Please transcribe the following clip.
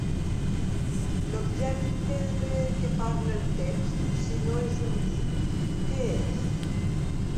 L'objecte de què parla el text, si no és un llit, què és?